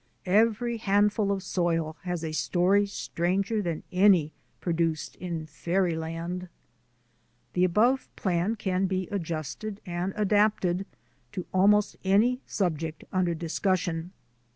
Every handful of soil has a story stranger than any produced in fairyland. The above plan can be adjusted and adapted to almost any subject under discussion.